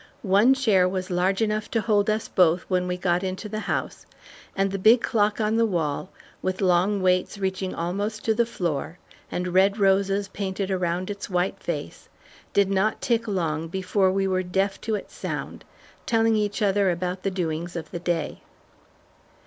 One chair was large enough to hold us both when we got into the house, and the big clock on the wall with long weights reaching almost to the floor and red roses painted around its white face, did not tick long before we were deaf to its sound, telling each other about the doings of the day.